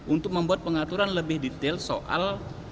untuk membuat pengaturan lebih detail soal